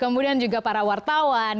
kemudian juga para wartawan